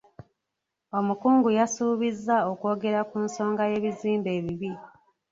Omukungu yasuubizza okwogera ku nsonga y'ebizimbe ebibi.